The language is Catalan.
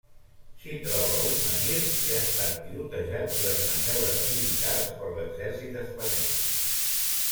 S'hi troba un menhir que ha estat tirotejat durant maniobres militars per l'exèrcit espanyol.